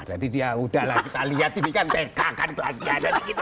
dia udah lah kita lihat ini kan tk kan kelasnya